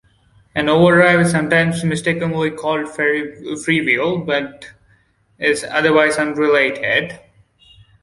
An overdrive is sometimes mistakenly called a freewheel, but is otherwise unrelated.